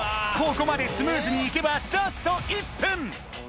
ここまでスムーズに行けばジャスト１分！